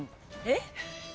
えっ？